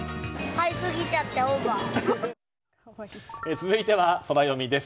続いてはソラよみです。